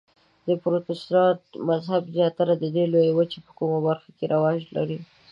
د پروتستانت مذهب زیاتره د دې لویې وچې په کومه برخه کې رواج لري؟